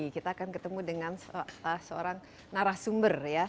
kita akan ketemu dengan seorang narasumber ya